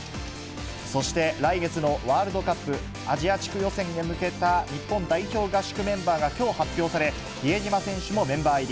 そして来月のワールドカップアジア地区予選へ向けた日本代表合宿メンバーがきょう発表され、比江島選手もメンバー入り。